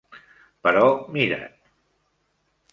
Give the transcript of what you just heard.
Però mira't.